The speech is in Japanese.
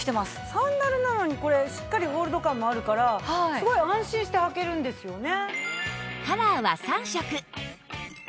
サンダルなのにこれしっかりホールド感もあるからすごい安心して履けるんですよね。